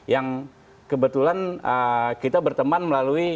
yang kebetulan kita berteman melalui